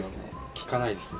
聞かないですね。